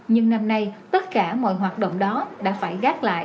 nhưng năm nay tất cả mọi hoạt động đó đã phải gắt